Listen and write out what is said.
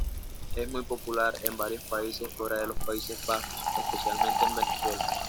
Es muy popular en varios países fuera de los Países Bajos, especialmente en Venezuela.